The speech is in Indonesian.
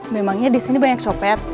memangnya disini banyak copet